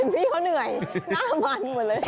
พี่เขาเหนื่อยหน้ามันหมดเลย